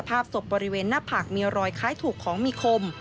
ผากเมียรอยคล้ายถูกของมีคม